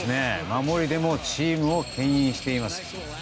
守りでもチームを牽引しています。